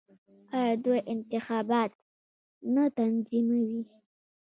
آیا دوی انتخابات نه تنظیموي؟